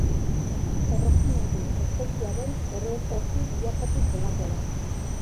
Erregimentu ospetsuaren ereserki bilakatu zelako da.